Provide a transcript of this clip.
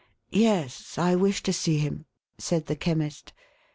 '1 "Yes, I wish to see him,1' said the Chemist.